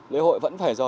lễ hội vẫn phải do